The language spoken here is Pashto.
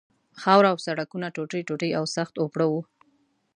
خاوره او سړکونه ټوټې ټوټې او سخت اوپړه وو.